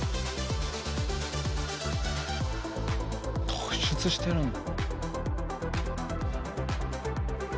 突出してるんだ。